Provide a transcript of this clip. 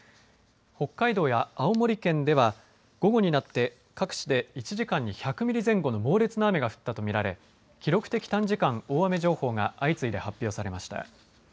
北海道や青森県では午後になって各地で１時間に１００ミリ前後の猛烈な雨が降ったと見られ記録的短時間大雨情報が相次いで発表されました。